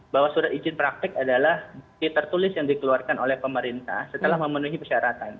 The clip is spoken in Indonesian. bahwa surat izin praktek adalah bukti tertulis yang dikeluarkan oleh pemerintah setelah memenuhi persyaratan